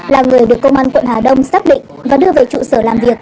là người được công an quận hà đông xác định và đưa về trụ sở làm việc